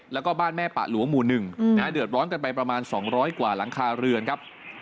แล้วก็บ้านแม่ปะหลวงหมู่๑เดือดร้อนกันไปประมาณ๒๐๐กว่าหลังคาเรือนครับ